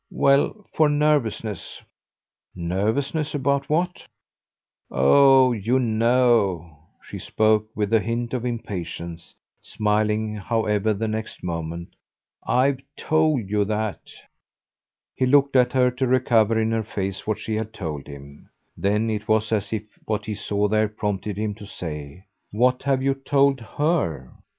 "Well for nervousness." "Nervousness about what?" "Oh you know!" She spoke with a hint of impatience, smiling however the next moment. "I've told you that." He looked at her to recover in her face what she had told him; then it was as if what he saw there prompted him to say: "What have you told HER?"